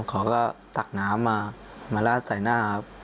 เขาก็ตักน้ำมามาลาดใส่หน้าครับ